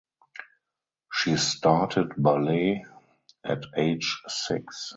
She started ballet at age six.